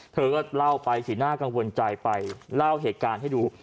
เธอก็เล่าไปสีหน้ากังวลใจไปเล่าเหตุการณ์ให้ดู